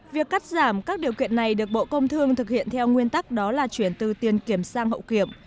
việc cắt giảm các điều kiện này được bộ công thương thực hiện theo nguyên tắc đó là chuyển từ tiền kiểm sang hậu kiểm